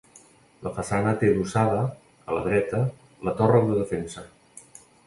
La façana té adossada, a la dreta, la torre de defensa.